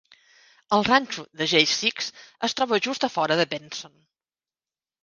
El ranxo de Jay Six es troba just a fora de Benson.